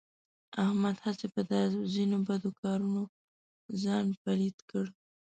احمد هسې په دا ځنې بدو کارونو ځان پلیت کړ.